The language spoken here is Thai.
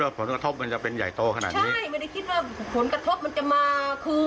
มาคือรู้ไม่ทันว่าเดี๋ยวนี้โลกโทเชียลมันแรงขนาดนี้ไง